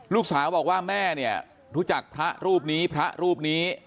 ลูกสาวบอกว่าแม่เนี่ยรู้จักพระรูปนี้พระรูปนี้